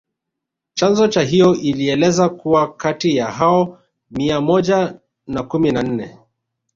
Chanzo cha hiyo ilieleza kuwa kati ya hao mia moja na kumi na nne